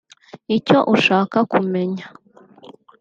Icyo ushaka kumenya